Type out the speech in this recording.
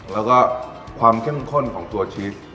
แล้วก็ความเข้มข้นของตัวชีส